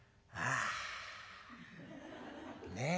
あねえ。